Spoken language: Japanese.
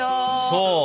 そう。